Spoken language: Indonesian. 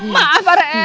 maaf pak raya